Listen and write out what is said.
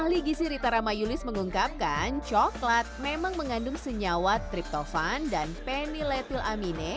ahli gisi rita ramayulis mengungkapkan coklat memang mengandung senyawa triptofan dan penyeletilamine